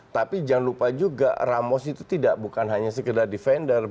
tapi jangan lupa juga ramos itu tidak bukan hanya sekedar defender